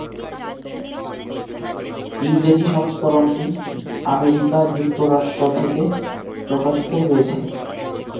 ইংরেজি সংস্করণটি আমেরিকা যুক্তরাষ্ট্র থেকে প্রকাশিত হয়েছে।